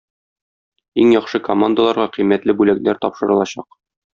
Иң яхшы командаларга кыйммәтле бүләкләр тапшырылачак.